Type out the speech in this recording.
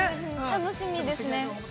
楽しみですね。